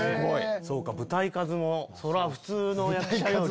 そうか舞台数もそら普通の役者より。